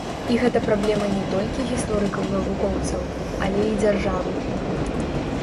І гэта праблема не толькі гісторыкаў-навукоўцаў, але і дзяржавы.